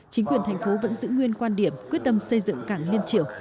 chính quyền tp vẫn giữ nguyên quan điểm quyết tâm xây dựng cảng liên triều